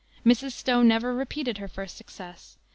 Mrs. Stowe never repeated her first success.